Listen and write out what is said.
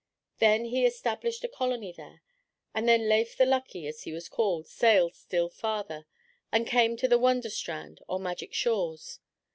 Then he established a colony there, and then Leif the Lucky, as he was called, sailed still farther, and came to the Wonderstrand, or Magic Shores.